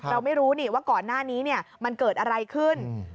เราไม่รู้ว่าก่อนหน้านี้มันเกิดอะไรขึ้น